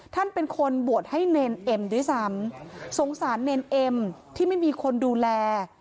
ท่านเป็นคนบวชให้เนรเอ็มด้วยซ้ำสงสารเนรเอ็มที่ไม่มีคนดูแล